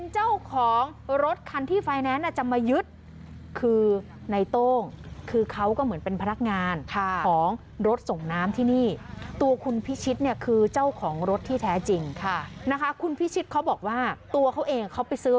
เจ้าของรถคันที่ไฟแนนซ์จะมายึดคือในโต้งคือเขาก็เหมือนเป็นพนักงานของรถส่งน้ำที่นี่ตัวคุณพิชิตเนี่ยคือเจ้าของรถที่แท้จริงค่ะนะคะคุณพิชิตเขาบอกว่าตัวเขาเองเขาไปซื้อ